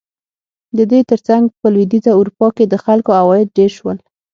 د دې ترڅنګ په لوېدیځه اروپا کې د خلکو عواید ډېر شول.